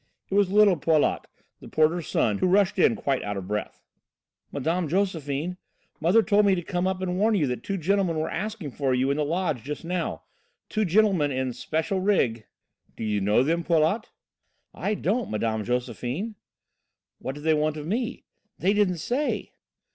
It was little Paulot, the porter's son, who rushed in quite out of breath. "Mme. Josephine, mother told me to come up and warn you that two gentlemen were asking for you in the lodge just now. Two gentlemen in special 'rig.'" "Do you know them, Paulot?" "I don't, Mme. Josephine." "What did they want of me?" "They didn't say."